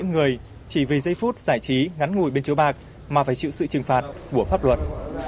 giải trí ngắn ngùi bên chỗ bạc mà phải chịu sự trừng phạt của pháp luật